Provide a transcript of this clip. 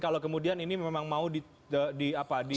kalau kemudian ini memang mau di di apa di